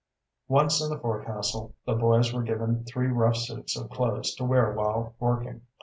Once in the forecastle the boys were given three rough suits of clothes to wear while working.